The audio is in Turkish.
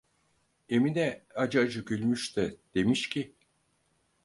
Emine acı acı gülmüş de demiş ki: